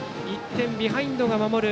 １点ビハインドの守る